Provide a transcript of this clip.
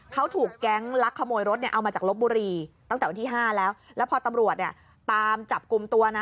เขาถูกแก๊งลักขโมยรถเอามาจากรถบุรีตั้งแต่วันที่๕แล้ว